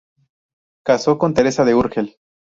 Casó con Teresa de Urgel.